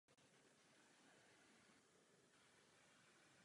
Farním kostelem je místní kostel svatého Mikuláše.